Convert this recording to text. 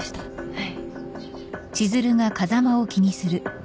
はい。